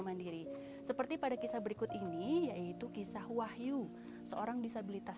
mandiri seperti pada kisah berikut ini yaitu kisah wahyu seorang disabilitas